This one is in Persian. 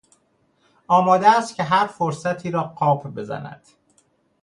آماده است که هر فرصتی را قاپ بزند.